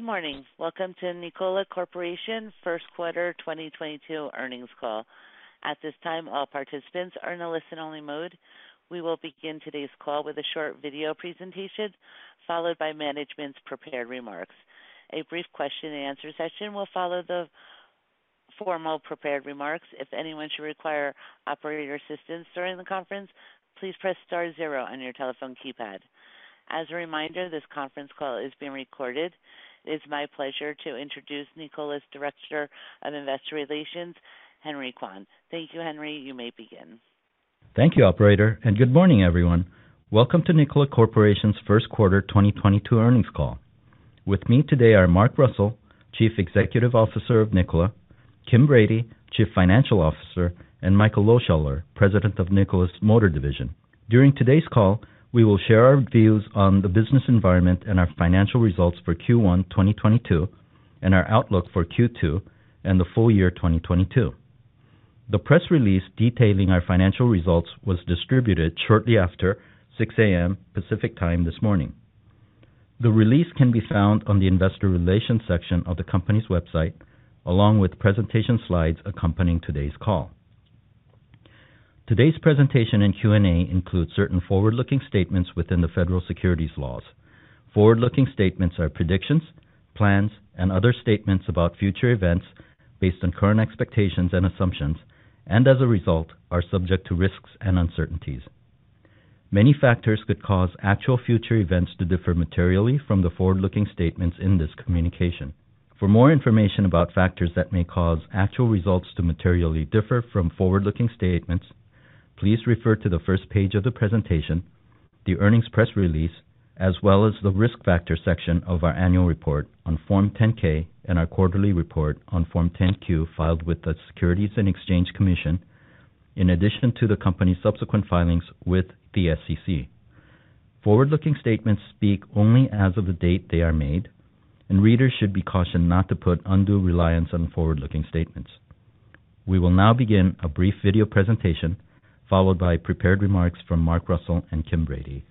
Good morning. Welcome to Nikola Corporation's first quarter 2022 earnings call. At this time, all participants are in a listen only mode. We will begin today's call with a short video presentation, followed by management's prepared remarks. A brief question and answer session will follow the formal prepared remarks. If anyone should require operator assistance during the conference, please press star zero on your telephone keypad. As a reminder, this conference call is being recorded. It is my pleasure to introduce Nikola's Director of Investor Relations, Henry Kwon. Thank you, Henry. You may begin. Thank you, operator, and good morning, everyone. Welcome to Nikola Corporation's first quarter 2022 earnings call. With me today are Mark Russell, Chief Executive Officer of Nikola, Kim Brady, Chief Financial Officer, and Michael Lohscheller, President of Nikola's Motor Division. During today's call, we will share our views on the business environment and our financial results for Q1 2022, and our outlook for Q2 and the full year 2022. The press release detailing our financial results was distributed shortly after 6:00 A.M. Pacific Time this morning. The release can be found on the investor relations section of the company's website, along with presentation slides accompanying today's call. Today's presentation and Q&A includes certain forward-looking statements within the federal securities laws. Forward-looking statements are predictions, plans, and other statements about future events based on current expectations and assumptions, and as a result, are subject to risks and uncertainties. Many factors could cause actual future events to differ materially from the forward-looking statements in this communication. For more information about factors that may cause actual results to materially differ from forward-looking statements, please refer to the first page of the presentation, the earnings press release, as well as the risk factor section of our annual report on Form 10-K and our quarterly report on Form 10-Q filed with the Securities and Exchange Commission, in addition to the company's subsequent filings with the SEC. Forward-looking statements speak only as of the date they are made, and readers should be cautioned not to put undue reliance on forward-looking statements. We will now begin a brief video presentation, followed by prepared remarks from Mark Russell and Kim Brady.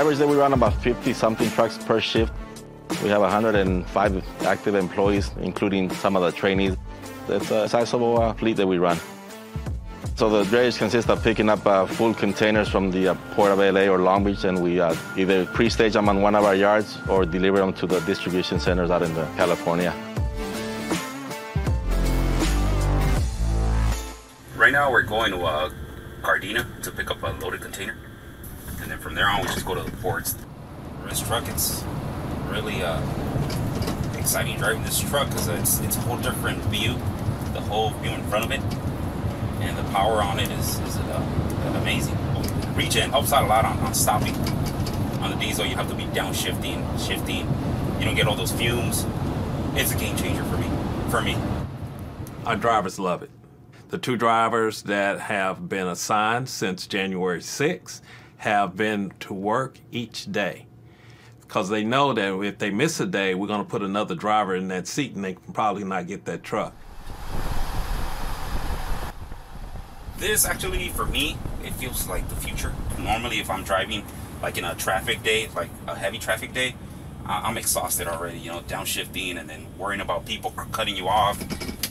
On an average day, we run about 50-something trucks per shift. We have 105 active employees, including some of the trainees. That's a sizeable fleet that we run. The days consist of picking up full containers from the Port of LA or Long Beach, and we either pre-stage them on one of our yards or deliver them to the distribution centers out in California. Right now we're going to Gardena to pick up a loaded container, and then from there on we just go to the ports. This truck, it's really exciting driving this truck 'cause it's a whole different view, the whole view in front of it, and the power on it is amazing. Regen helps out a lot on stopping. On the diesel, you have to be downshifting, shifting. You don't get all those fumes. It's a game changer for me. Our drivers love it. The two drivers that have been assigned since January 6th have been to work each day, 'cause they know that if they miss a day, we're gonna put another driver in that seat, and they can probably not get that truck. This actually for me, it feels like the future. Normally if I'm driving, like, in a traffic day, like a heavy traffic day, I'm exhausted already, you know, downshifting and then worrying about people cutting you off,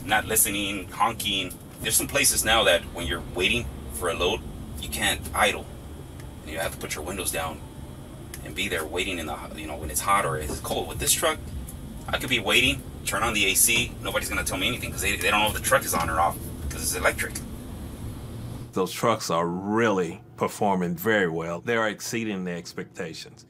not listening, honking. There's some places now that when you're waiting for a load, you can't idle and you have to put your windows down and be there waiting, you know, when it's hot or it's cold. With this truck, I could be waiting, turn on the AC, nobody's gonna tell me anything 'cause they don't know if the truck is on or off 'cause it's electric. Those trucks are really performing very well. They're exceeding the expectations.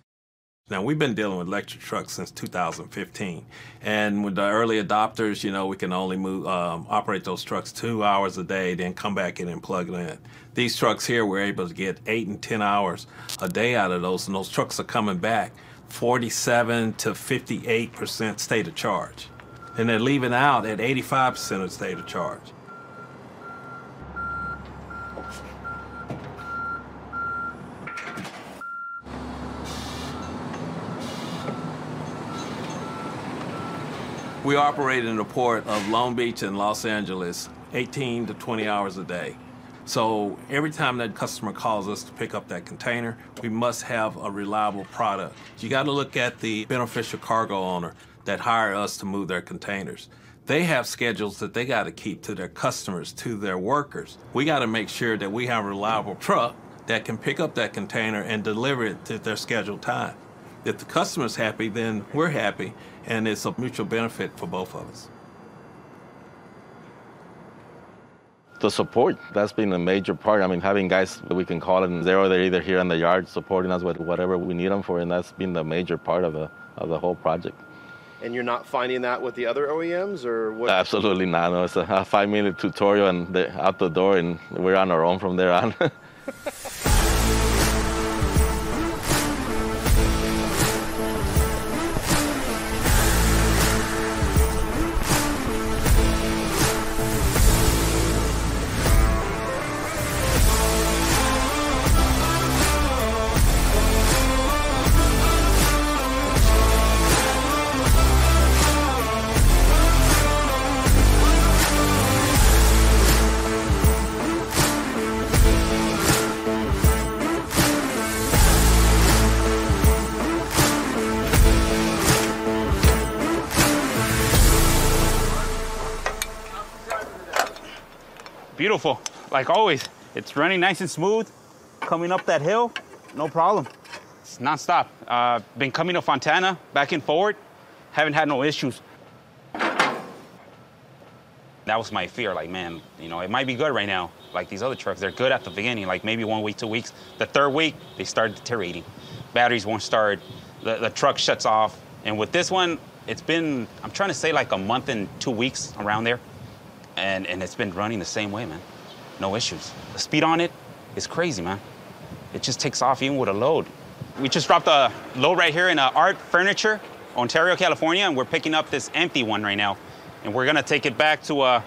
Now we've been dealing with electric trucks since 2015, and with the early adopters, you know, we can only move, operate those trucks 2 hours a day, then come back in and plug it in. These trucks here, we're able to get 8 and 10 hours a day out of those, and those trucks are coming back 47%-58% state of charge, and they're leaving out at 85% state of charge. We operate in the Port of Long Beach in Los Angeles 18-20 hours a day, so every time that customer calls us to pick up that container, we must have a reliable product. You gotta look at the beneficial cargo owner that hire us to move their containers. They have schedules that they gotta keep to their customers, to their workers. We gotta make sure that we have a reliable truck that can pick up that container and deliver it to their scheduled time. If the customer's happy, then we're happy, and it's a mutual benefit for both of us. The support, that's been a major part. I mean, having guys that we can call and they're either here in the yard supporting us with whatever we need them for, and that's been the major part of the whole project. You're not finding that with the other OEMs, or what? Absolutely not. No. It's a five-minute tutorial, and they're out the door, and we're on our own from there on. Beautiful, like always. It's running nice and smooth. Coming up that hill, no problem. It's nonstop. Been coming to Fontana back and forth, haven't had no issues. That was my fear. Like, man, you know, it might be good right now. Like these other trucks, they're good at the beginning. Like maybe one week, two weeks. The third week, they start deteriorating. Batteries won't start, the truck shuts off. With this one, it's been, I'm trying to say like a month and two weeks, around there, and it's been running the same way, man. No issues. The speed on it is crazy, man. It just takes off even with a load. We just dropped a load right here in A.R.T. Furniture, Ontario, California, and we're picking up this empty one right now, and we're gonna take it back to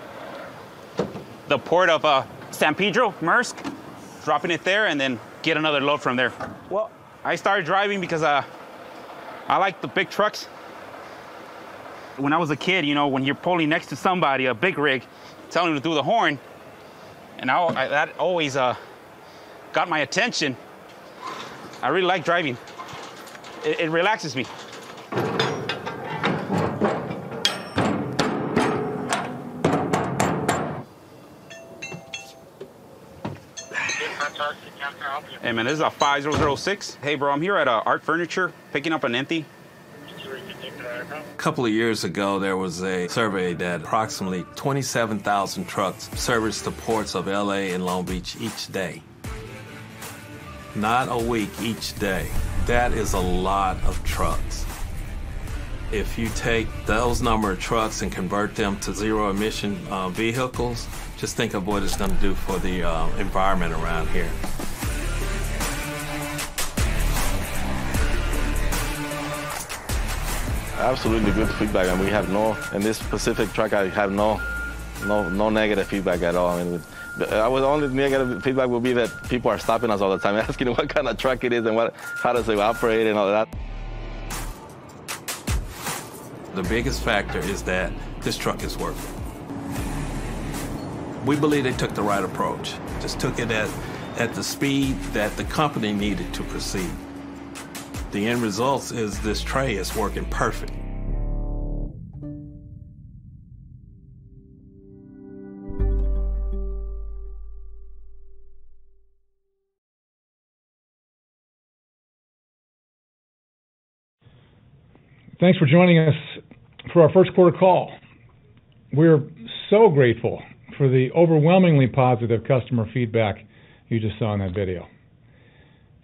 the port of San Pedro, Maersk, dropping it there, and then get another load from there. Well, I started driving because I like the big trucks. When I was a kid, you know, when you're pulling next to somebody, a big rig, telling you to do the horn, and that always got my attention. I really like driving. It relaxes me. Hey, man, this is 5006. Hey, bro, I'm here at A.R.T. Furniture picking up an empty. A couple of years ago, there was a survey that approximately 27,000 trucks service the ports of LA and Long Beach each day. Not a week, each day. That is a lot of trucks. If you take those number of trucks and convert them to zero-emission vehicles, just think of what it's gonna do for the environment around here. Absolutely good feedback. In this specific truck, I have no negative feedback at all. I mean, well, the only negative feedback would be that people are stopping us all the time asking what kind of truck it is and how does it operate and all of that. The biggest factor is that this truck is working. We believe they took the right approach. Just took it at the speed that the company needed to proceed. The end result is this Tre is working perfect. Thanks for joining us for our first quarter call. We're so grateful for the overwhelmingly positive customer feedback you just saw in that video.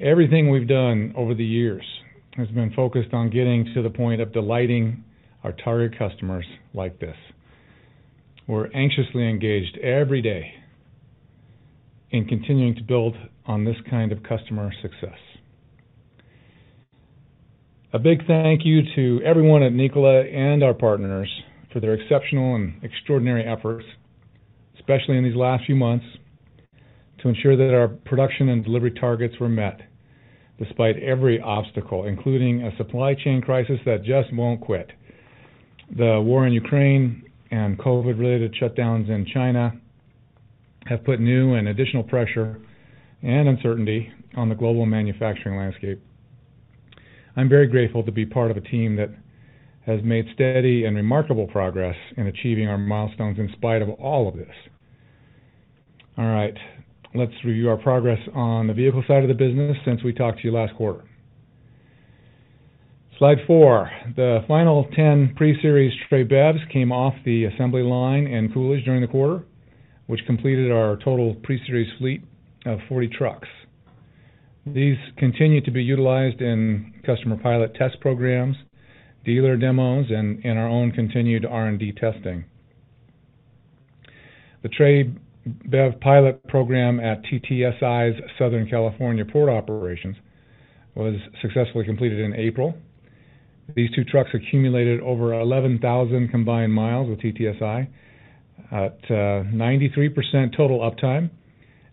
Everything we've done over the years has been focused on getting to the point of delighting our target customers like this. We're anxiously engaged every day in continuing to build on this kind of customer success. A big thank you to everyone at Nikola and our partners for their exceptional and extraordinary efforts, especially in these last few months, to ensure that our production and delivery targets were met despite every obstacle, including a supply chain crisis that just won't quit. The war in Ukraine and COVID-related shutdowns in China have put new and additional pressure and uncertainty on the global manufacturing landscape. I'm very grateful to be part of a team that has made steady and remarkable progress in achieving our milestones in spite of all of this. All right, let's review our progress on the vehicles side of the business since we talked to you last quarter. Slide 4. The final 10 Pre-Series Tre BEVs came off the assembly line in Coolidge during the quarter, which completed our total Pre-Series fleet of 40 trucks. These continue to be utilized in customer pilot test programs, dealer demos, and in our own continued R&D testing. The Tre BEV pilot program at TTSI's Southern California port operations was successfully completed in April. These two trucks accumulated over 11,000 combined miles with TTSI at 93% total uptime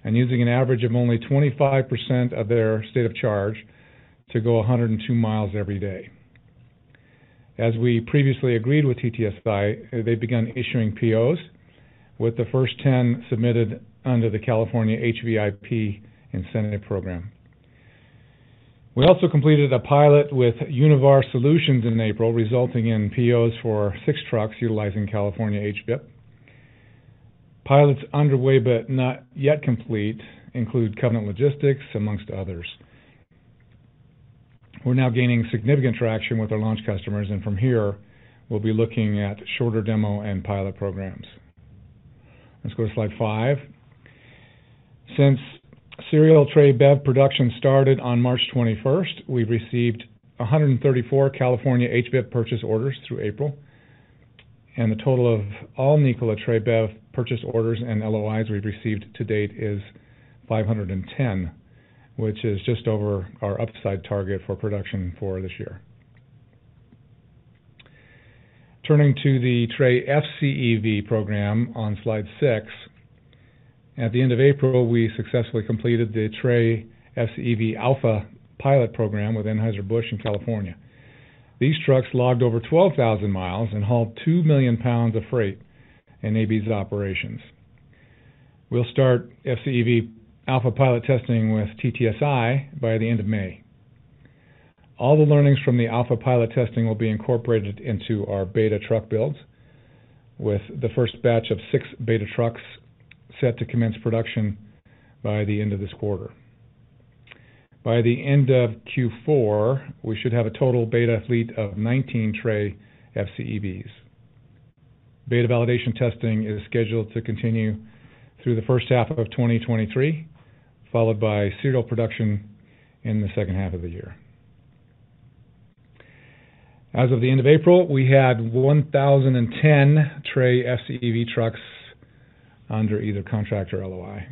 and using an average of only 25% of their state of charge to go 102 miles every day. As we previously agreed with TTSI, they've begun issuing POs, with the first 10 submitted under the California HVIP incentive program. We also completed a pilot with Univar Solutions in April, resulting in POs for six trucks utilizing California HVIP. Pilots underway but not yet complete include Covenant Logistics among others. We're now gaining significant traction with our launch customers, and from here, we'll be looking at shorter demo and pilot programs. Let's go to slide 5. Since serial Tre BEV production started on March 21, we've received 134 California HVIP purchase orders through April, and the total of all Nikola Tre BEV purchase orders and LOIs we've received to date is 510, which is just over our upside target for production for this year. Turning to the Tre FCEV program on slide 6. At the end of April, we successfully completed the Tre FCEV Alpha pilot program with Anheuser-Busch in California. These trucks logged over 12,000 miles and hauled 2 million pounds of freight in AB's operations. We'll start FCEV Alpha pilot testing with TTSI by the end of May. All the learnings from the Alpha pilot testing will be incorporated into our beta truck builds, with the first batch of 6 beta trucks set to commence production by the end of this quarter. By the end of Q4, we should have a total beta fleet of 19 Tre FCEVs. Beta validation testing is scheduled to continue through the first half of 2023, followed by serial production in the second half of the year. As of the end of April, we had 1,010 Tre FCEV trucks under either contract or LOI.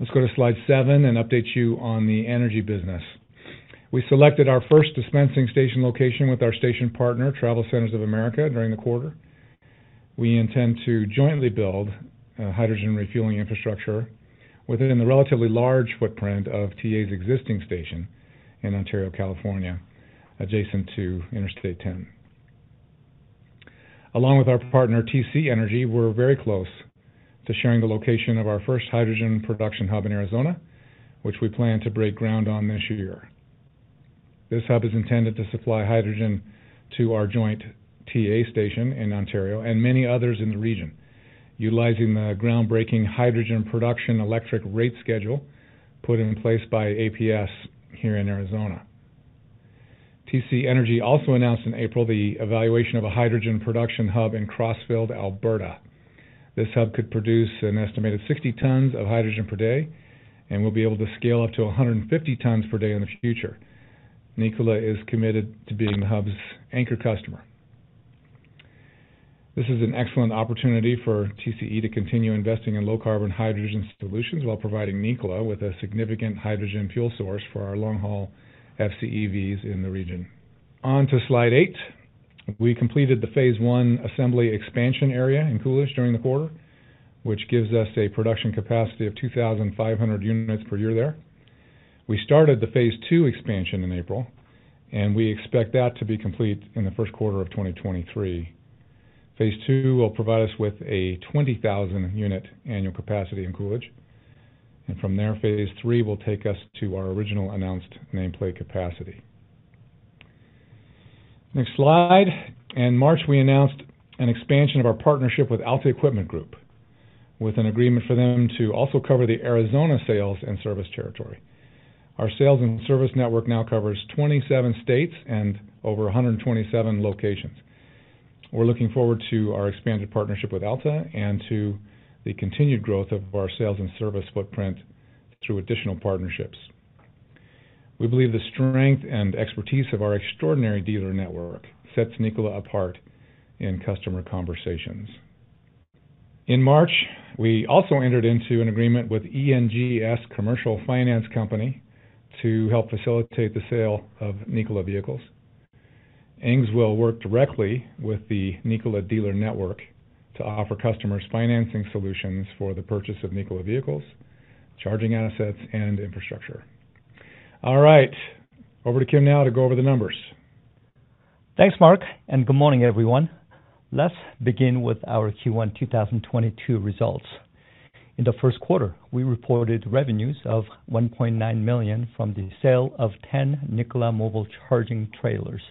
Let's go to slide 7 and update you on the energy business. We selected our first dispensing station location with our station partner, TravelCenters of America, during the quarter. We intend to jointly build a hydrogen refueling infrastructure within the relatively large footprint of TA's existing station in Ontario, California, adjacent to Interstate 10. Along with our partner, TC Energy, we're very close to sharing the location of our first hydrogen production hub in Arizona, which we plan to break ground on this year. This hub is intended to supply hydrogen to our joint TA station in Ontario and many others in the region, utilizing the groundbreaking hydrogen production electric rate schedule put in place by APS here in Arizona. TC Energy also announced in April the evaluation of a hydrogen production hub in Crossfield, Alberta. This hub could produce an estimated 60 tons of hydrogen per day and will be able to scale up to 150 tons per day in the future. Nikola is committed to being the hub's anchor customer. This is an excellent opportunity for TC Energy to continue investing in low-carbon hydrogen solutions while providing Nikola with a significant hydrogen fuel source for our long-haul FCEVs in the region. On to slide 8. We completed the phase 1 assembly expansion area in Coolidge during the quarter, which gives us a production capacity of 2,500 units per year there. We started the phase 2 expansion in April, and we expect that to be complete in the first quarter of 2023. Phase 2 will provide us with a 20,000-unit annual capacity in Coolidge, and from there, phase 3 will take us to our original announced nameplate capacity. Next slide. In March, we announced an expansion of our partnership with Alta Equipment Group with an agreement for them to also cover the Arizona sales and service territory. Our sales and service network now covers 27 states and over 127 locations. We're looking forward to our expanded partnership with Alta and to the continued growth of our sales and service footprint through additional partnerships. We believe the strength and expertise of our extraordinary dealer network sets Nikola apart in customer conversations. In March, we also entered into an agreement with ENGS as a commercial finance company to help facilitate the sale of Nikola vehicles. ENGS will work directly with the Nikola dealer network to offer customers financing solutions for the purchase of Nikola vehicles, charging assets, and infrastructure. All right, over to Kim now to go over the numbers. Thanks, Mark, and good morning, everyone. Let's begin with our Q1 2022 results. In the first quarter, we reported revenues of $1.9 million from the sale of 10 Nikola Mobile Charging Trailers.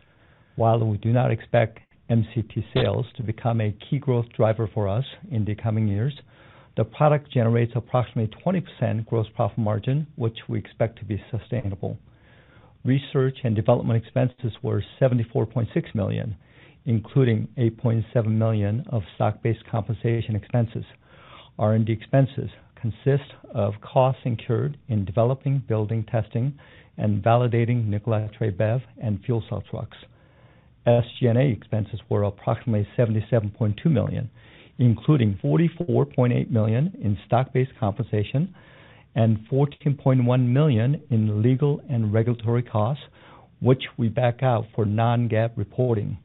While we do not expect MCT sales to become a key growth driver for us in the coming years, the product generates approximately 20% gross profit margin, which we expect to be sustainable. Research and development expenses were $74.6 million, including $8.7 million of stock-based compensation expenses. R&D expenses consist of costs incurred in developing, building, testing, and validating Nikola Tre BEV and fuel cell trucks. SG&A expenses were approximately $77.2 million, including $44.8 million in stock-based compensation and $14.1 million in legal and regulatory costs, which we back out for non-GAAP reporting.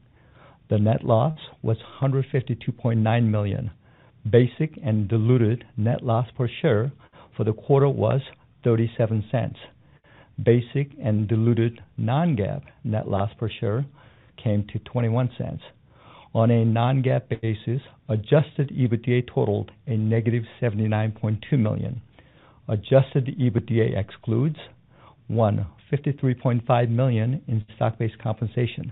The net loss was $152.9 million. Basic and diluted net loss per share for the quarter was $0.37. Basic and diluted non-GAAP net loss per share came to $0.21. On a non-GAAP basis, Adjusted EBITDA totaled -$79.2 million. Adjusted EBITDA excludes 1, $53.5 million in stock-based compensation,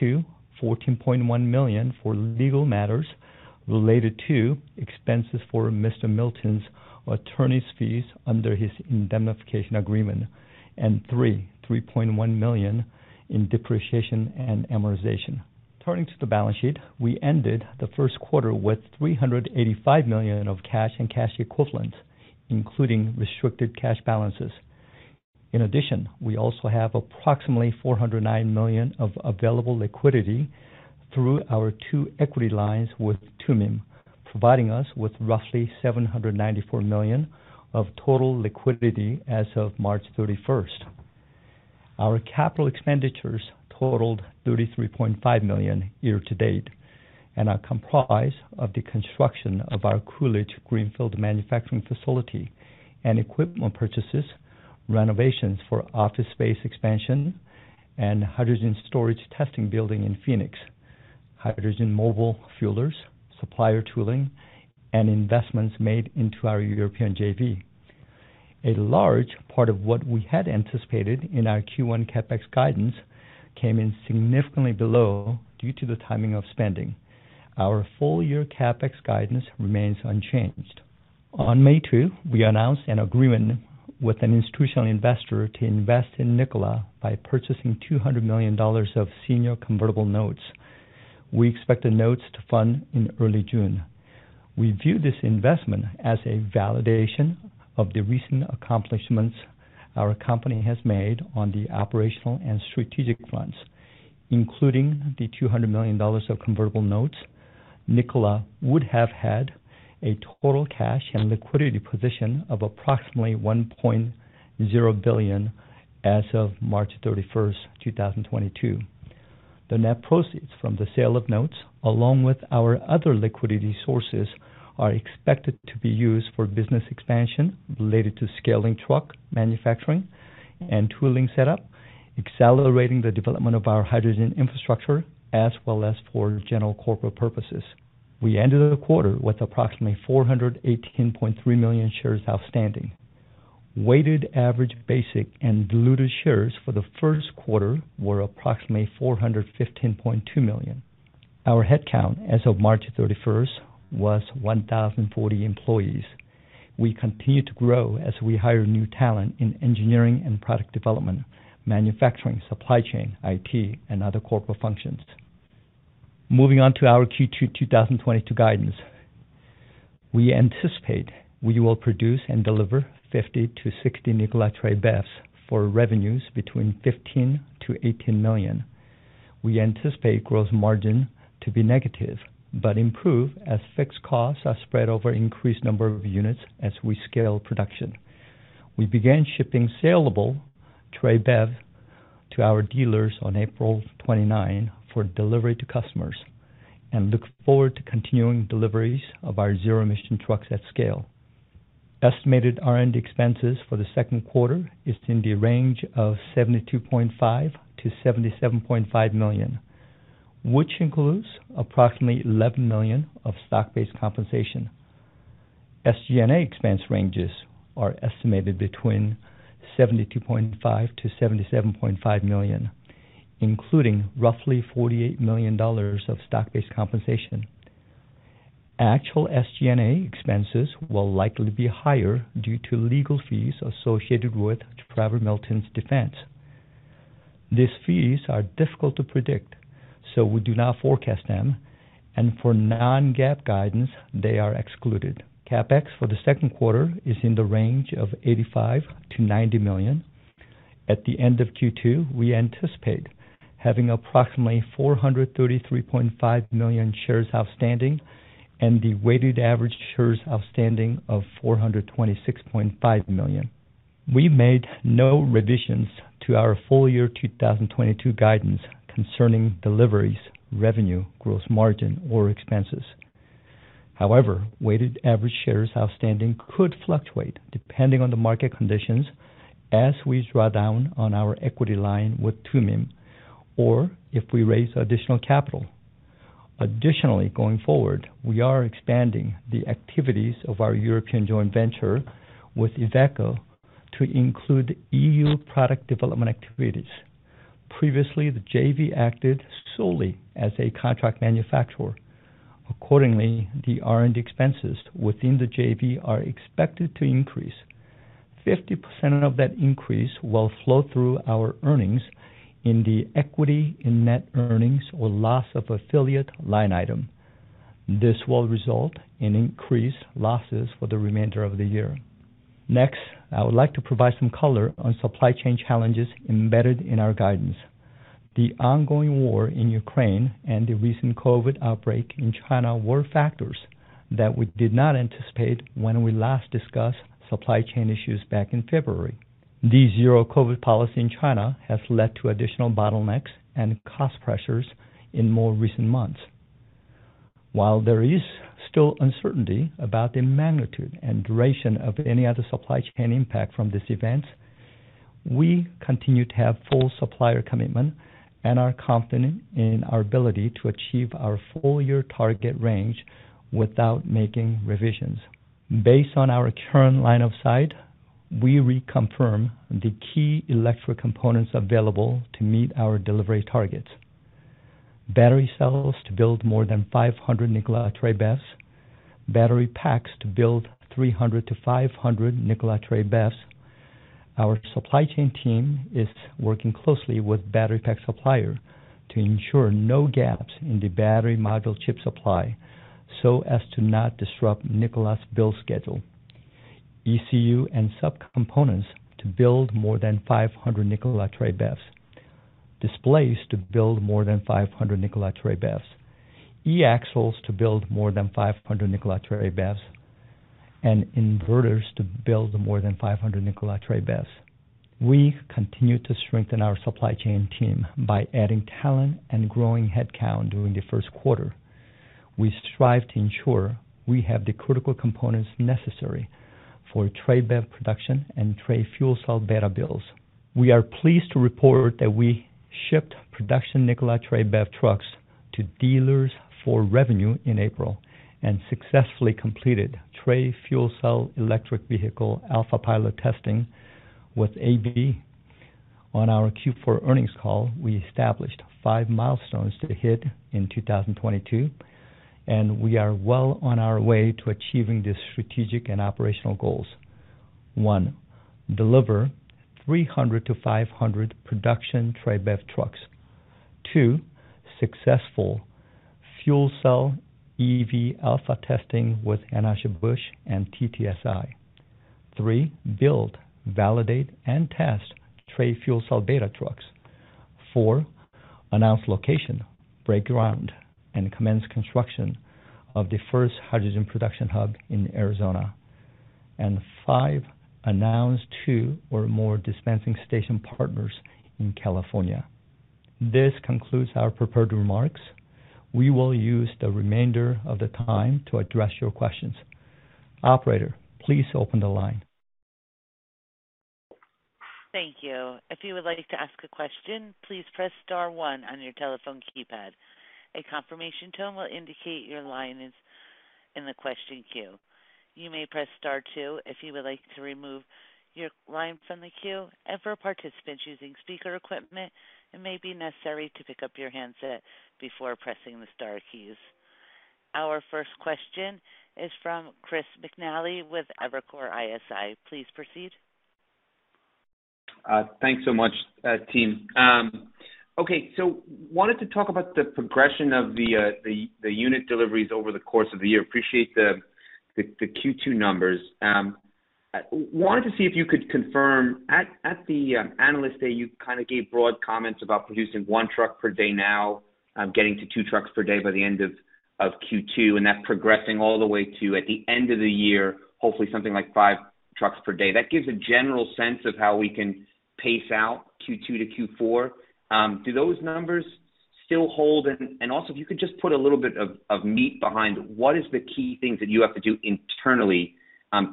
2, $14.1 million for legal matters related to expenses for Mr. Milton's attorney's fees under his indemnification agreement, and 3, $3.1 million in depreciation and amortization. Turning to the balance sheet, we ended the first quarter with $385 million of cash and cash equivalents, including restricted cash balances. In addition, we also have approximately $409 million of available liquidity through our two equity lines with Tumim, providing us with roughly $794 million of total liquidity as of March 31. Our capital expenditures totaled $33.5 million year to date, and are comprised of the construction of our Coolidge greenfield manufacturing facility and equipment purchases, renovations for office space expansion and hydrogen storage testing building in Phoenix, hydrogen mobile fuelers, supplier tooling, and investments made into our European JV. A large part of what we had anticipated in our Q1 CapEx guidance came in significantly below due to the timing of spending. Our full year CapEx guidance remains unchanged. On May 2, we announced an agreement with an institutional investor to invest in Nikola by purchasing $200 million of senior convertible notes. We expect the notes to fund in early June. We view this investment as a validation of the recent accomplishments our company has made on the operational and strategic fronts, including the $200 million of convertible notes. Nikola would have had a total cash and liquidity position of approximately $1.0 billion as of March 31, 2022. The net proceeds from the sale of notes, along with our other liquidity sources, are expected to be used for business expansion related to scaling truck manufacturing and tooling setup, accelerating the development of our hydrogen infrastructure as well as for general corporate purposes. We ended the quarter with approximately 418.3 million shares outstanding. Weighted average basic and diluted shares for the first quarter were approximately 415.2 million. Our headcount as of March 31 was 1,040 employees. We continue to grow as we hire new talent in engineering and product development, manufacturing, supply chain, IT, and other corporate functions. Moving on to our Q2 2022 guidance. We anticipate we will produce and deliver 50-60 Nikola Tre BEVs for revenues between $15 million-$18 million. We anticipate gross margin to be negative, but improve as fixed costs are spread over increased number of units as we scale production. We began shipping salable Tre BEV to our dealers on April 29 for delivery to customers and look forward to continuing deliveries of our zero-emission trucks at scale. Estimated R&D expenses for the second quarter is in the range of $72.5 million-$77.5 million, which includes approximately $11 million of stock-based compensation. SG&A expense ranges are estimated between $72.5 million-$77.5 million, including roughly $48 million of stock-based compensation. Actual SG&A expenses will likely be higher due to legal fees associated with Trevor Milton's defense. These fees are difficult to predict, so we do not forecast them, and for non-GAAP guidance, they are excluded. CapEx for the second quarter is in the range of $85 million-$90 million. At the end of Q2, we anticipate having approximately 433.5 million shares outstanding and the weighted average shares outstanding of 426.5 million. We made no revisions to our full year 2022 guidance concerning deliveries, revenue, gross margin, or expenses. However, weighted average shares outstanding could fluctuate depending on the market conditions as we draw down on our equity line with Tumim, or if we raise additional capital. Additionally, going forward, we are expanding the activities of our European joint venture with Iveco to include EU product development activities. Previously, the JV acted solely as a contract manufacturer. Accordingly, the R&D expenses within the JV are expected to increase. 50% of that increase will flow through our earnings in the equity in net earnings or loss of affiliate line item. This will result in increased losses for the remainder of the year. Next, I would like to provide some color on supply chain challenges embedded in our guidance. The ongoing war in Ukraine and the recent COVID outbreak in China were factors that we did not anticipate when we last discussed supply chain issues back in February. The zero-COVID policy in China has led to additional bottlenecks and cost pressures in more recent months. While there is still uncertainty about the magnitude and duration of any other supply chain impact from these events, we continue to have full supplier commitment and are confident in our ability to achieve our full year target range without making revisions. Based on our current line of sight, we reconfirm the key electric components available to meet our delivery targets. Battery cells to build more than 500 Nikola Tre BEVs. Battery packs to build 300-500 Nikola Tre BEVs. Our supply chain team is working closely with battery pack supplier to ensure no gaps in the battery module chip supply so as to not disrupt Nikola's build schedule. ECU and subcomponents to build more than 500 Nikola Tre BEVs. Displays to build more than 500 Nikola Tre BEVs. E-axles to build more than 500 Nikola Tre BEVs. Inverters to build more than 500 Nikola Tre BEVs. We continue to strengthen our supply chain team by adding talent and growing headcount during the first quarter. We strive to ensure we have the critical components necessary for Tre BEV production and Tre fuel cell beta builds. We are pleased to report that we shipped production Nikola Tre BEV trucks to dealers for revenue in April and successfully completed Tre fuel cell electric vehicle alpha pilot testing with AB. On our Q4 earnings call, we established five milestones to hit in 2022, and we are well on our way to achieving the strategic and operational goals. One, deliver 300-500 production Tre BEV trucks. Two, successful fuel cell EV alpha testing with Anheuser-Busch and TTSI. Three, build, validate, and test Tre fuel cell beta trucks. Four, announce location, break ground, and commence construction of the first hydrogen production hub in Arizona. Five, announce two or more dispensing station partners in California. This concludes our prepared remarks. We will use the remainder of the time to address your questions. Operator, please open the line. Thank you. If you would like to ask a question, please press star one on your telephone keypad. A confirmation tone will indicate your line is in the question queue. You may press star two if you would like to remove your line from the queue. For participants using speaker equipment, it may be necessary to pick up your handset before pressing the star keys. Our first question is from Chris McNally with Evercore ISI. Please proceed. Thanks so much, team. Okay. Wanted to talk about the progression of the unit deliveries over the course of the year. Appreciate the Q2 numbers. Wanted to see if you could confirm. At the Analyst Day, you kind of gave broad comments about producing 1 truck per day now, getting to 2 trucks per day by the end of Q2, and that progressing all the way to, at the end of the year, hopefully something like 5 trucks per day. That gives a general sense of how we can pace out Q2 to Q4. Do those numbers still hold? Also if you could just put a little bit of meat behind what is the key things that you have to do internally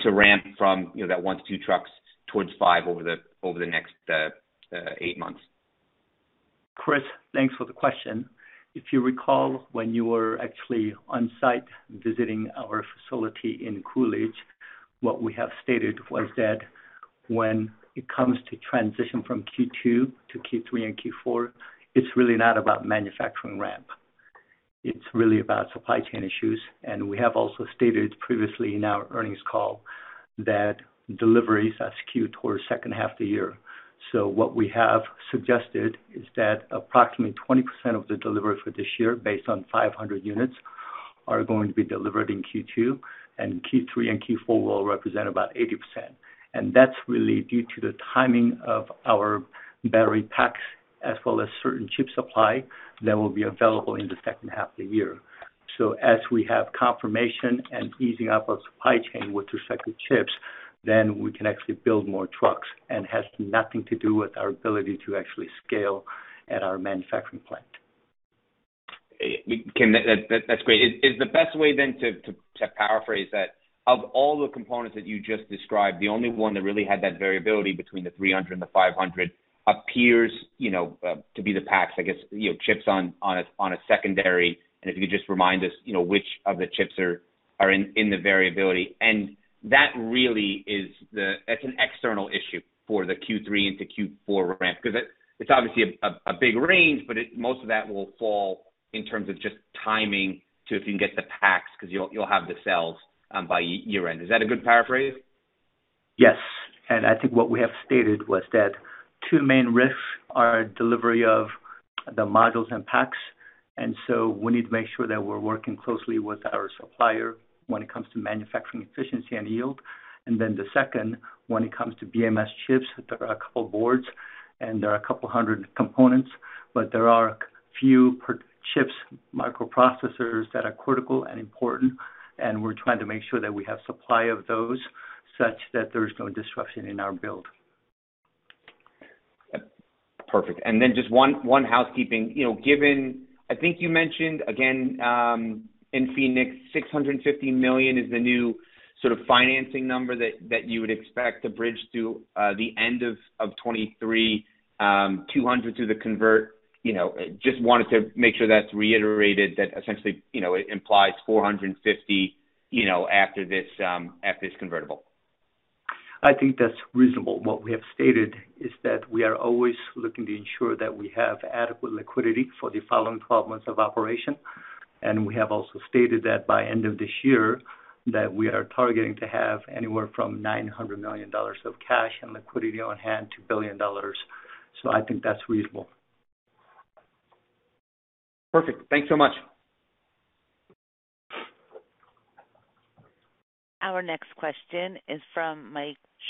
to ramp from, you know, that 1 to 2 trucks towards 5 over the next 8 months. Chris, thanks for the question. If you recall, when you were actually on site visiting our facility in Coolidge, what we have stated was that when it comes to transition from Q2 to Q3 and Q4, it's really not about manufacturing ramp. It's really about supply chain issues. We have also stated previously in our earnings call that deliveries are skewed towards second half of the year. What we have suggested is that approximately 20% of the delivery for this year, based on 500 units, are going to be delivered in Q2, and Q3 and Q4 will represent about 80%. That's really due to the timing of our battery packs as well as certain chip supply that will be available in the second half of the year. As we have confirmation and easing up of supply chain with respect to chips, then we can actually build more trucks and has nothing to do with our ability to actually scale at our manufacturing plant. Kim, that's great. Is the best way then to paraphrase that, of all the components that you just described, the only one that really had that variability between the 300-500 appears, you know, to be the packs, I guess, you know, chips on a secondary, and if you could just remind us, you know, which of the chips are in the variability. That's an external issue for the Q3 into Q4 ramp, 'cause it's obviously a big range, but most of that will fall in terms of just timing to if you can get the packs 'cause you'll have the cells by year-end. Is that a good paraphrase? Yes. I think what we have stated was that two main risks are delivery of the modules and packs. We need to make sure that we're working closely with our supplier when it comes to manufacturing efficiency and yield. The second, when it comes to BMS chips, there are a couple boards and there are a couple hundred components, but there are few chips, microprocessors that are critical and important, and we're trying to make sure that we have supply of those such that there's no disruption in our build. Perfect. Just one housekeeping. You know, given I think you mentioned again, in Phoenix, $650 million is the new sort of financing number that you would expect to bridge to the end of 2023, $200 to the convertible. You know, just wanted to make sure that's reiterated that essentially, you know, it implies $450, you know, after this convertible. I think that's reasonable. What we have stated is that we are always looking to ensure that we have adequate liquidity for the following 12 months of operation. We have also stated that by end of this year that we are targeting to have anywhere from $900 million of cash and liquidity on hand to $1 billion. I think that's reasonable. Perfect. Thanks so much.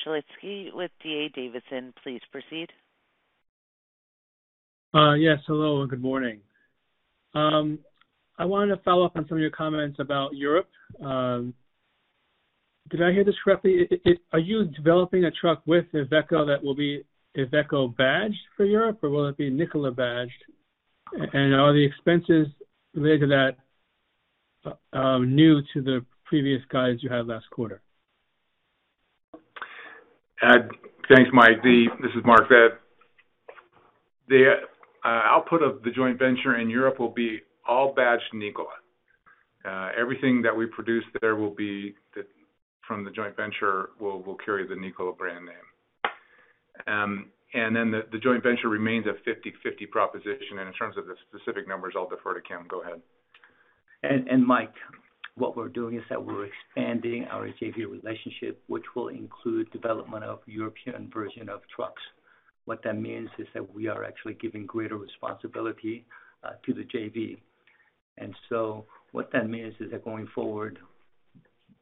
Our next question is from Michael Shlisky with D.A. Davidson. Please proceed. Yes, hello and good morning. I wanted to follow up on some of your comments about Europe. Did I hear this correctly? Are you developing a truck with Iveco that will be Iveco badged for Europe or will it be Nikola badged? Are the expenses related to that new to the previous guidance you had last quarter? Thanks, Mike. This is Mark. The output of the joint venture in Europe will be all badged Nikola. Everything that we produce there from the joint venture will carry the Nikola brand name. Then the joint venture remains a 50/50 proposition. In terms of the specific numbers, I'll defer to Kim. Go ahead. Mike, what we're doing is that we're expanding our JV relationship, which will include development of European version of trucks. What that means is that we are actually giving greater responsibility to the JV. What that means is that going forward,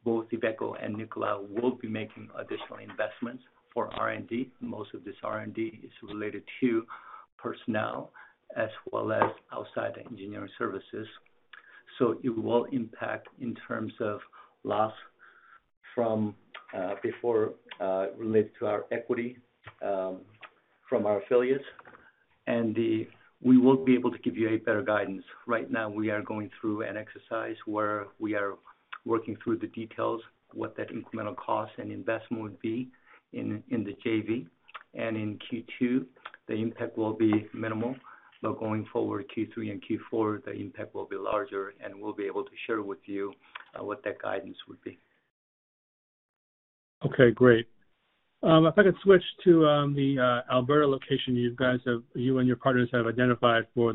both Iveco and Nikola will be making additional investments for R&D. Most of this R&D is related to personnel as well as outside engineering services. It will impact in terms of loss from before related to our equity from our affiliates. We will be able to give you a better guidance. Right now, we are going through an exercise where we are working through the details, what that incremental cost and investment would be in the JV. In Q2, the impact will be minimal. Going forward, Q3 and Q4, the impact will be larger, and we'll be able to share with you what that guidance would be. Okay, great. If I could switch to the Alberta location you and your partners have identified for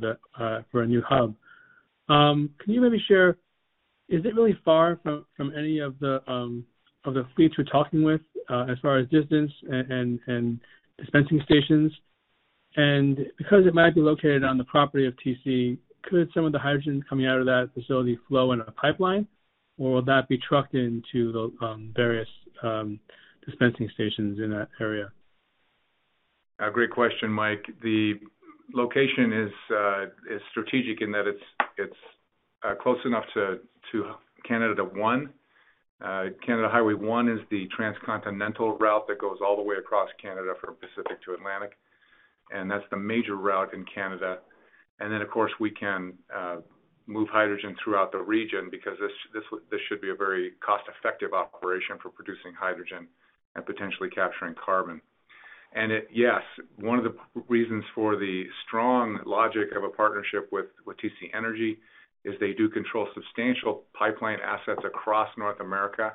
a new hub. Can you maybe share, is it really far from any of the fleets we're talking with as far as distance and dispensing stations? Because it might be located on the property of TC, could some of the hydrogen coming out of that facility flow in a pipeline, or will that be trucked into the various dispensing stations in that area? A great question, Mike. The location is strategic in that it's close enough to Highway one. Highway one is the transcontinental route that goes all the way across Canada from Pacific to Atlantic, and that's the major route in Canada. Then, of course, we can move hydrogen throughout the region because this should be a very cost-effective operation for producing hydrogen and potentially capturing carbon. Yes, one of the reasons for the strong logic of a partnership with TC Energy is they do control substantial pipeline assets across North America.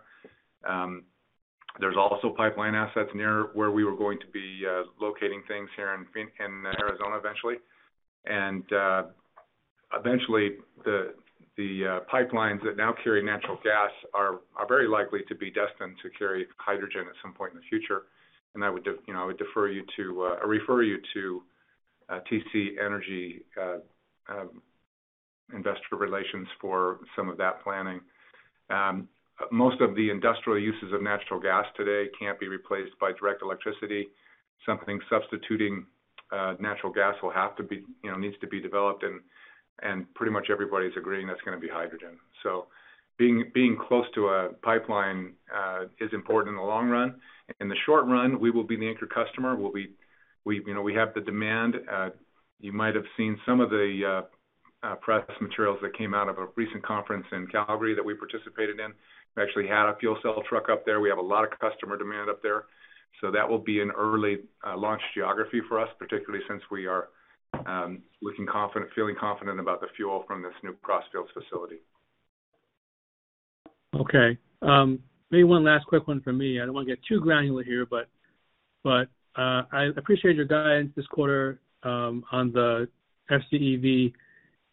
There's also pipeline assets near where we were going to be locating things here in Arizona eventually. Eventually, the pipelines that now carry natural gas are very likely to be destined to carry hydrogen at some point in the future. I would defer you to, you know, or refer you to TC Energy industrial relations for some of that planning. Most of the industrial uses of natural gas today can't be replaced by direct electricity. Something substituting natural gas will have to be, you know, needs to be developed and pretty much everybody's agreeing that's gonna be hydrogen. Being close to a pipeline is important in the long run. In the short run, we will be the anchor customer. We, you know, we have the demand. You might have seen some of the press materials that came out of a recent conference in Calgary that we participated in. We actually had a fuel cell truck up there. We have a lot of customer demand up there. That will be an early launch geography for us, particularly since we are looking confident, feeling confident about the fuel from this new Crossfield facility. Okay. Maybe one last quick one from me. I don't want to get too granular here, but I appreciate your guidance this quarter on the FCEV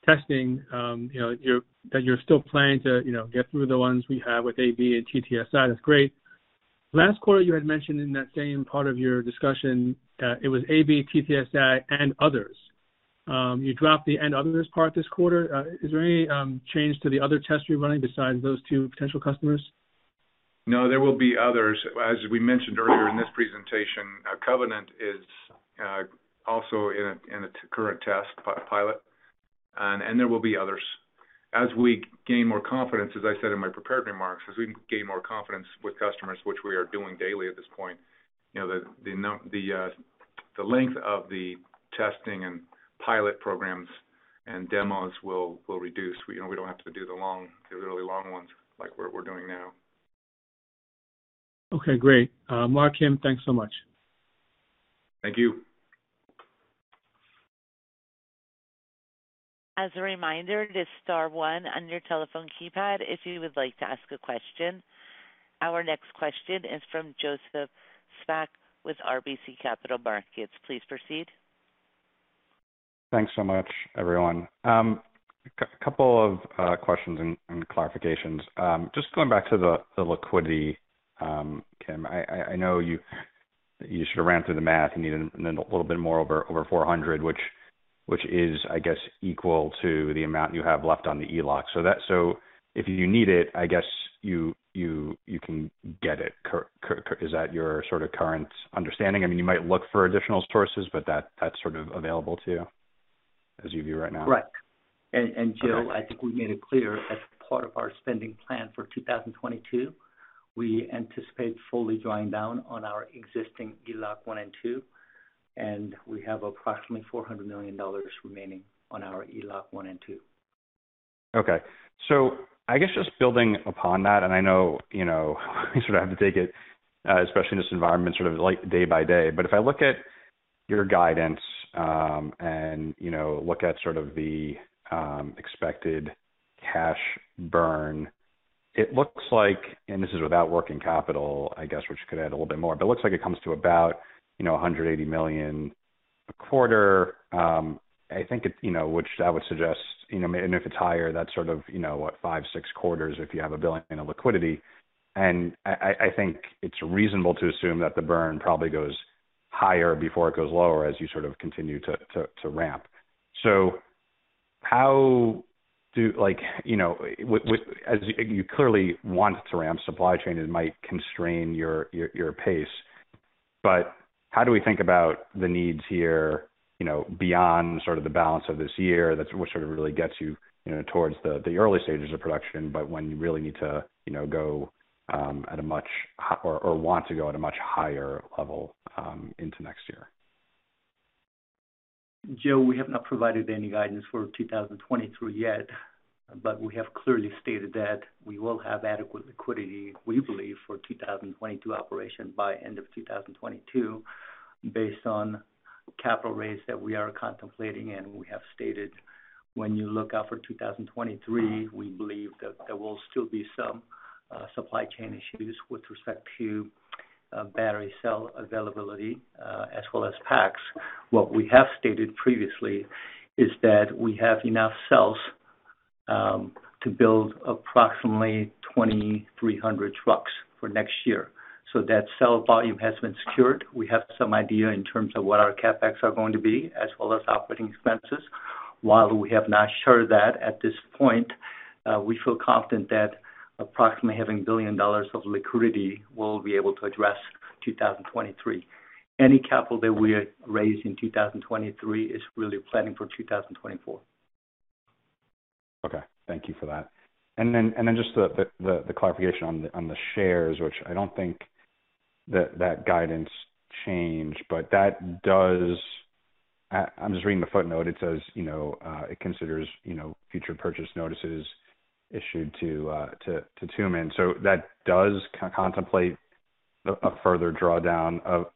testing. You know, that you're still planning to, you know, get through the ones we have with AB and TTSI. That's great. Last quarter, you had mentioned in that same part of your discussion, it was AB, TTSI, and others. You dropped the and others part this quarter. Is there any change to the other tests you're running besides those two potential customers? No, there will be others. As we mentioned earlier in this presentation, Covenant is also in a current test pilot. There will be others. As we gain more confidence, as I said in my prepared remarks, as we gain more confidence with customers, which we are doing daily at this point, the length of the testing and pilot programs and demos will reduce. We don't have to do the really long ones like we're doing now. Okay, great. Mark, Kim, thanks so much. Thank you. As a reminder, it is star one on your telephone keypad if you would like to ask a question. Our next question is from Joseph Spak with RBC Capital Markets. Please proceed. Thanks so much, everyone. A couple of questions and clarifications. Just going back to the liquidity, Kim, I know you sort of ran through the math. You need a little bit more over $400, which is, I guess, equal to the amount you have left on the ELOC. If you need it, I guess you can get it. Is that your sort of current understanding? I mean, you might look for additional sources, but that's sort of available to you as you view right now? Right. Joseph, I think we made it clear as part of our spending plan for 2022. We anticipate fully drawing down on our existing ELOC 1 and 2, and we have approximately $400 million remaining on our ELOC 1 and 2. Okay. I guess just building upon that, and I know, you know, we sort of have to take it, especially in this environment, sort of like day by day. If I look at your guidance, and, you know, look at sort of the expected cash burn, it looks like, and this is without working capital, I guess, which could add a little bit more, but it looks like it comes to about, you know, $180 million a quarter. I think it, you know, which that would suggest, you know, and if it's higher, that's sort of, you know what, five, six quarters if you have $1 billion in liquidity. I think it's reasonable to assume that the burn probably goes higher before it goes lower as you sort of continue to ramp. How do Like, you know, as you clearly want to ramp supply chain, it might constrain your pace. But how do we think about the needs here, you know, beyond sort of the balance of this year, that's what sort of really gets you know, towards the early stages of production, but when you really need to, you know, go or want to go at a much higher level into next year? Joe, we have not provided any guidance for 2023 yet, but we have clearly stated that we will have adequate liquidity, we believe, for 2022 operation by end of 2022 based on capital raise that we are contemplating. We have stated when you look out for 2023, we believe that there will still be some supply chain issues with respect to battery cell availability as well as packs. What we have stated previously is that we have enough cells to build approximately 2,300 trucks for next year. So that cell volume has been secured. We have some idea in terms of what our CapEx are going to be, as well as operating expenses. While we have not shared that at this point, we feel confident that approximately having $1 billion of liquidity, we'll be able to address 2023. Any capital that we raise in 2023 is really planning for 2024. Okay. Thank you for that. Just the clarification on the shares, which I don't think that guidance changed, but that does. I'm just reading the footnote. It says, you know, it considers, you know, future purchase notices issued to Tumim. So that does contemplate a further drawdown of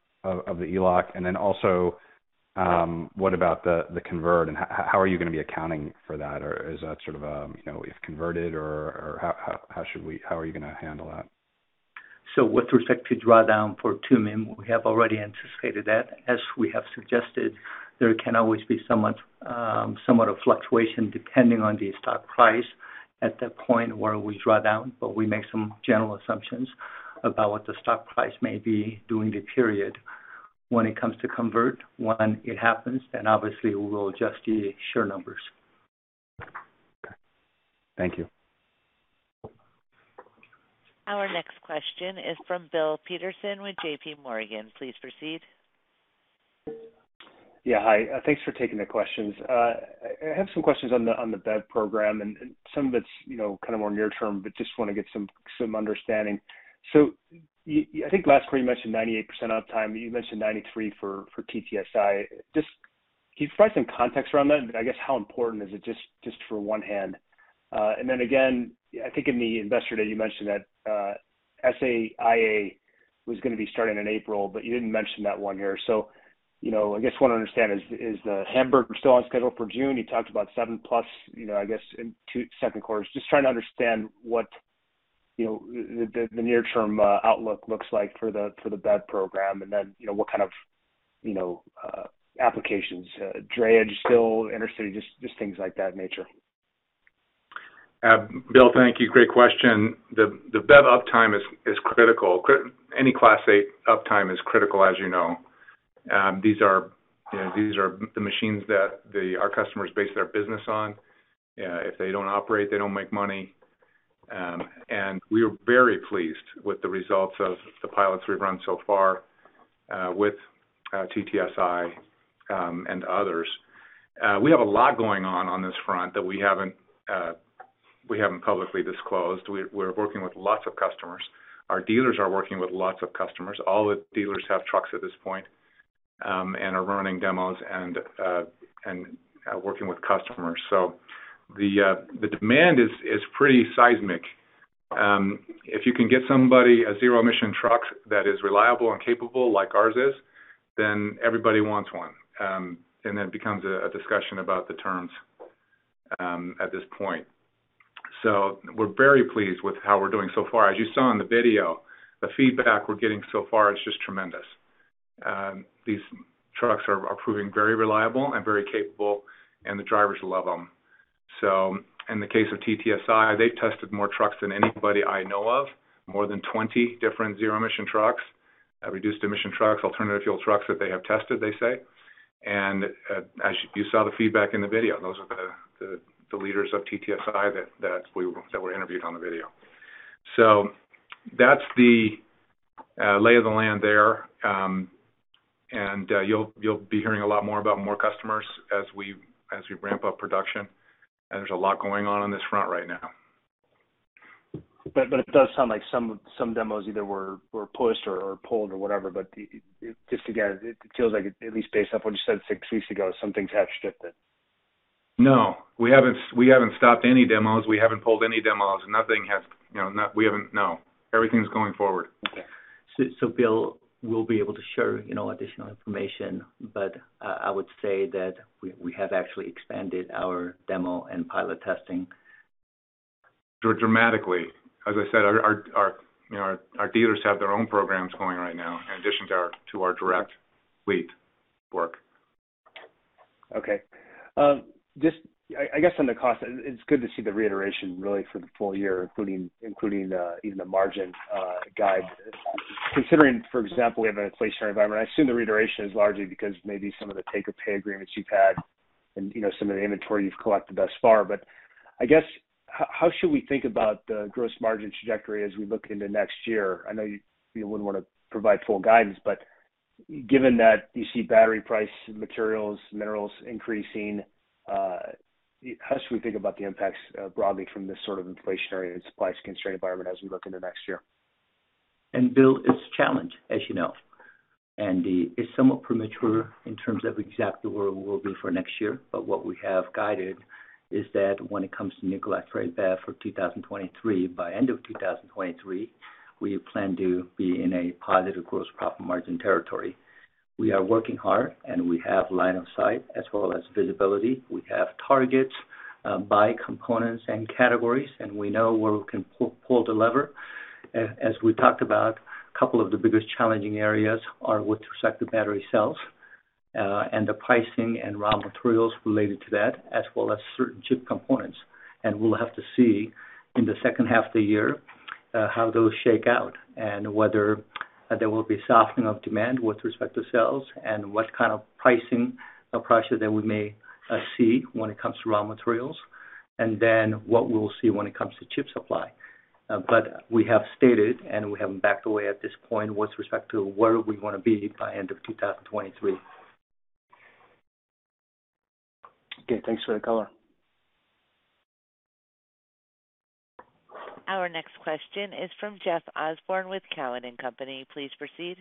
the ELOC. What about the convert and how are you gonna be accounting for that? Or is that sort of, you know, if converted or how are you gonna handle that? With respect to drawdown for Tumim, we have already anticipated that. As we have suggested, there can always be somewhat of fluctuation depending on the stock price at that point where we draw down, but we make some general assumptions about what the stock price may be during the period. When it happens, then obviously we will adjust the share numbers. Thank you. Our next question is from Bill Peterson with J.P. Morgan. Please proceed. Yeah, hi. Thanks for taking the questions. I have some questions on the BEV program and some of it's, you know, kind of more near term, but just wanna get some understanding. I think last quarter you mentioned 98% uptime. You mentioned 93 for TTSI. Can you provide some context around that? I guess how important is it, just on one hand. Then again, I think in the Investor Day you mentioned that Saia was gonna be starting in April, but you didn't mention that one here. You know, I guess what I wanna understand is the Hamburg still on schedule for June. You talked about 7+, you know, I guess in second quarters. Just trying to understand what, you know, the near term outlook looks like for the BEV program, and then, you know, what kind of applications, drayage, short-haul, inner city, just things of that nature. Bill, thank you. Great question. The BEV uptime is critical. Any Class Eight uptime is critical, as you know. These are, you know, these are the machines that our customers base their business on. If they don't operate, they don't make money. We are very pleased with the results of the pilots we've run so far, with TTSI and others. We have a lot going on on this front that we haven't publicly disclosed. We're working with lots of customers. Our dealers are working with lots of customers. All the dealers have trucks at this point, and are running demos and working with customers. The demand is pretty seismic. If you can get somebody a zero emission truck that is reliable and capable like ours is, then everybody wants one. It becomes a discussion about the terms at this point. We're very pleased with how we're doing so far. As you saw in the video, the feedback we're getting so far is just tremendous. These trucks are proving very reliable and very capable, and the drivers love them. In the case of TTSI, they tested more trucks than anybody I know of. More than 20 different zero emission trucks, reduced emission trucks, alternative fuel trucks that they have tested, they say. As you saw the feedback in the video, those are the leaders of TTSI that were interviewed on the video. That's the lay of the land there. You'll be hearing a lot more about more customers as we ramp up production. There's a lot going on this front right now. It does sound like some demos either were pushed or pulled or whatever. Just again, it feels like at least based off what you said six weeks ago, something's happened to it then. No. We haven't stopped any demos. We haven't pulled any demos. We haven't. No. Everything's going forward. Bill, we'll be able to share, you know, additional information, but I would say that we have actually expanded our demo and pilot testing. Dramatically. As I said, you know, our dealers have their own programs going right now in addition to our direct fleet work. Okay. Just I guess on the cost, it's good to see the reiteration really for the full year, including even the margin guide. Considering, for example, we have an inflationary environment, I assume the reiteration is largely because maybe some of the take or pay agreements you've had and, you know, some of the inventory you've collected thus far. I guess how should we think about the gross margin trajectory as we look into next year? I know you wouldn't wanna provide full guidance, but given that you see battery price, materials, minerals increasing, how should we think about the impacts, broadly from this sort of inflationary and supplies constrained environment as we look into next year? Bill, it's a challenge, as you know. It's somewhat premature in terms of exactly where we will be for next year. What we have guided is that when it comes to Nikola Tre BEV for 2023, by end of 2023, we plan to be in a positive gross profit margin territory. We are working hard and we have line of sight as well as visibility. We have targets by components and categories, and we know where we can pull the lever. As we talked about, a couple of the biggest challenging areas are with respect to battery cells and the pricing and raw materials related to that, as well as certain chip components. We'll have to see in the second half of the year, how those shake out and whether there will be softening of demand with respect to cells and what kind of pricing approaches that we may see when it comes to raw materials. Then what we'll see when it comes to chip supply. We have stated, and we haven't backed away at this point with respect to where we wanna be by end of 2023. Okay, thanks for the color. Our next question is from Jeff Osborne with Cowen and Company. Please proceed.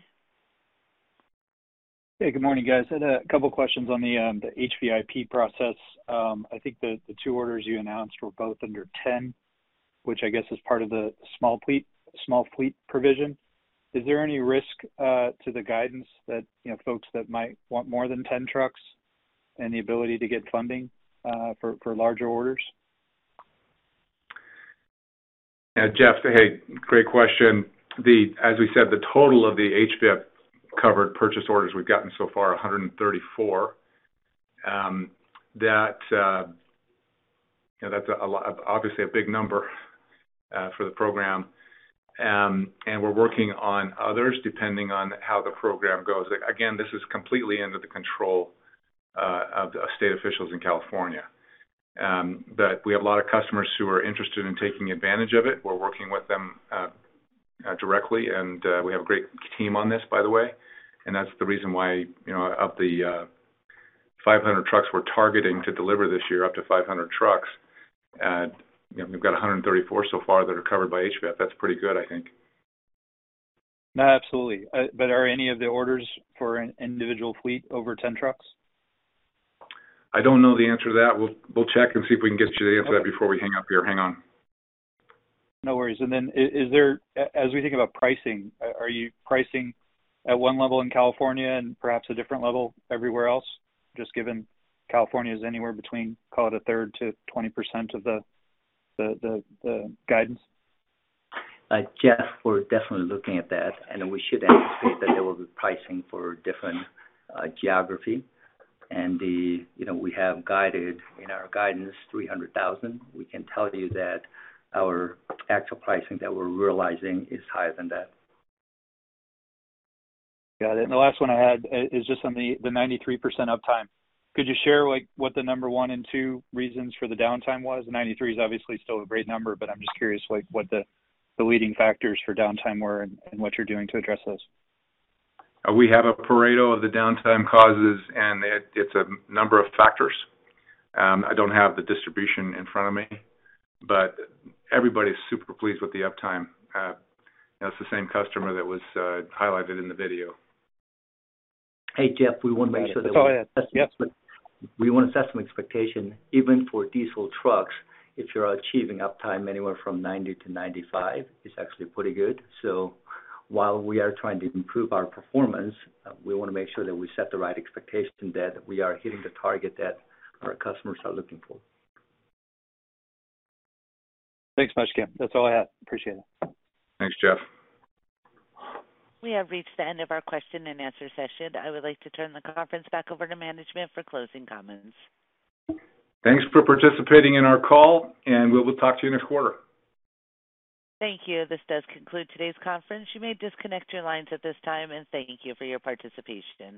Hey, good morning, guys. I had a couple questions on the HVIP process. I think the two orders you announced were both under 10, which I guess is part of the small fleet provision. Is there any risk to the guidance that, you know, folks that might want more than 10 trucks and the ability to get funding for larger orders? Yeah, Jeff. Hey, great question. As we said, the total of the HVIP covered purchase orders we've gotten so far, 134. You know, that's a lot, obviously a big number for the program. We're working on others depending on how the program goes. Again, this is completely under the control of state officials in California. We have a lot of customers who are interested in taking advantage of it. We're working with them directly, and we have a great team on this, by the way. That's the reason why, you know, of the 500 trucks we're targeting to deliver this year, up to 500 trucks, you know, we've got 134 so far that are covered by HVIP. That's pretty good, I think. No, absolutely. Are any of the orders for an individual fleet over 10 trucks? I don't know the answer to that. We'll check and see if we can get you the answer to that before we hang up here. Hang on. No worries. Is there, as we think about pricing, are you pricing at one level in California and perhaps a different level everywhere else? Just given California is anywhere between, call it a third to 20% of the guidance. Jeff, we're definitely looking at that, and we should anticipate that there will be pricing for different geography. You know, we have guided in our guidance $300,000. We can tell you that our actual pricing that we're realizing is higher than that. Got it. The last one I had is just on the 93% uptime. Could you share, like, what the 1 and 2 reasons for the downtime was? 93 is obviously still a great number. I'm just curious, like, what the leading factors for downtime were and what you're doing to address those. We have a Pareto of the downtime causes, and it's a number of factors. I don't have the distribution in front of me, but everybody is super pleased with the uptime. That's the same customer that was highlighted in the video. Hey, Jeff, we wanna make sure that we. That's all I had. Yep. We wanna set some expectation. Even for diesel trucks, if you're achieving uptime anywhere from 90%-95%, it's actually pretty good. While we are trying to improve our performance, we wanna make sure that we set the right expectation that we are hitting the target that our customers are looking for. Thanks much, Kim. That's all I had. Appreciate it. Thanks, Jeff. We have reached the end of our question and answer session. I would like to turn the conference back over to management for closing comments. Thanks for participating in our call, and we will talk to you next quarter. Thank you. This does conclude today's conference. You may disconnect your lines at this time, and thank you for your participation.